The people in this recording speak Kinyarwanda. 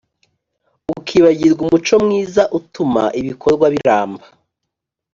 ukibagirwa umuco mwiza utuma ibikorwa biramba.